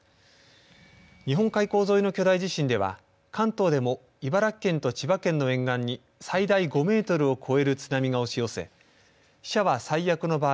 日本海溝沿いの巨大地震では関東でも茨城県と千葉県の沿岸に最大５メートルを超える津波が押し寄せ死者は最悪の場合